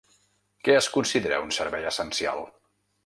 Què es considera un servei essencial?